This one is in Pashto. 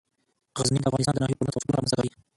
غزني د افغانستان د ناحیو ترمنځ تفاوتونه رامنځ ته کوي.